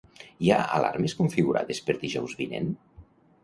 Hi ha alarmes configurades per dijous vinent?